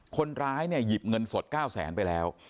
คนร้ายเนี่ยหยิบเงินสด๙แสนไปแล้ว